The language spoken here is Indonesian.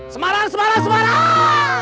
semarang semarang semarang